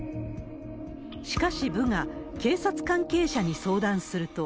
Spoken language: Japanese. しかし、部が警察関係者に相談すると。